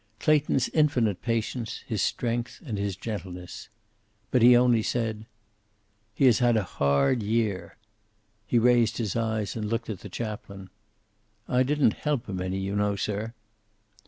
Clayton's infinite patience, his strength and his gentleness. But he only said: "He has had a hard year." He raised his eyes and looked at the chaplain. "I didn't help him any, you know, sir."